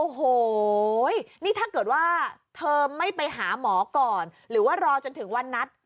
โอ้โหนี่ถ้าเกิดว่าเธอไม่ไปหาหมอก่อนหรือว่ารอจนถึงวันนัด